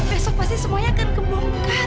besok pasti semuanya akan kebongkah